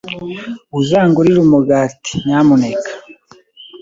Uzangurira umugati, nyamuneka?